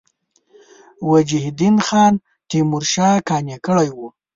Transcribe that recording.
وجیه الدین خان تیمورشاه یې قانع کړی وو.